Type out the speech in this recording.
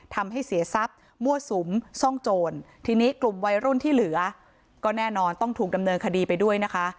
ทำให้เสียทรัพย์มั่วสุมซ่องโจรทีนี้กลุ่มวัยรุ่นที่เหลือก็แน่นอนต้องถูกดำเนินคดีไปด้วยนะคะ